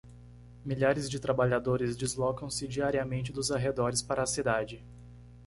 Milhares de trabalhadores deslocam-se diariamente dos arredores para a cidade.